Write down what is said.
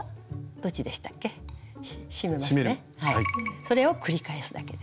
それを繰り返すだけです。